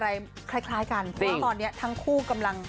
ให้ใบเปิดนี่แหละ